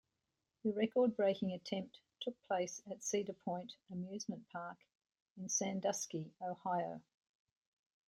The record breaking attempt took place at Cedar Point Amusement Park in Sandusky, Ohio.